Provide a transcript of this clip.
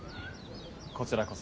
こちらこそ。